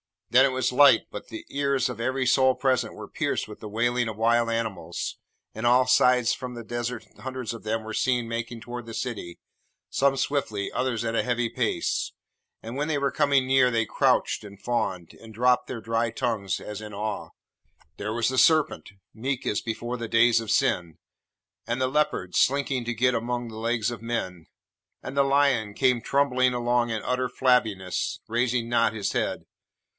Then it was light, but the ears of every soul present were pierced with the wailing of wild animals, and on all sides from the Desert hundreds of them were seen making toward the City, some swiftly, others at a heavy pace; and when they were come near they crouched and fawned, and dropped their dry tongues as in awe. There was the serpent, meek as before the days of sin, and the leopard slinking to get among the legs of men, and the lion came trundling along in utter flabbiness, raising not his head.